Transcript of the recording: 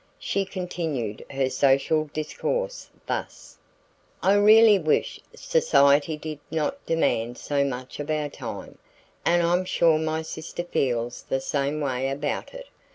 She continued her social discourse thus: "I really wish society did not demand so much of our time, and I'm sure my sister feels the same way about it.